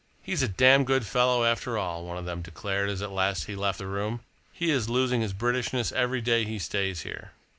"He's a damned good fellow, after all," one of them declared, as at last he left the room. "He is losing his Britishness every day he stays here."